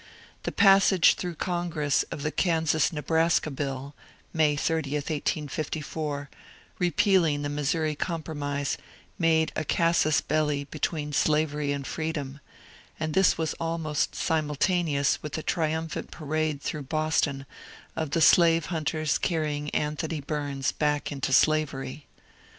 The passage through Congress of the Eomsas Nebraska Bill (May SO, 1854), repealing the *^ Missouri Compromise," made a casus belli between slavery and freedom, and this was almost simul taneous with the triumphant parade through Boston of the slave hunters carrying Anthony Bums back into slavery.